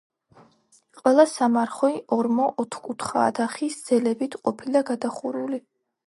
ყველა სამარხი ორმო ოთკუთხაა და ხის ძელებით ყოფილა გადახურული.